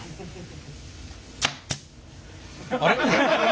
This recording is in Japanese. あれ？